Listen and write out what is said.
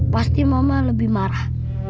pasti mama lebih marah